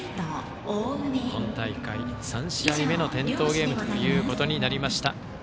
今大会、３試合目の点灯ゲームということになりました。